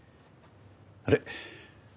あれ？